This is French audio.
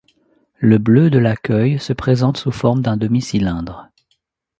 Le Bleu de Laqueuille se présente sous forme d'un demi cylindre.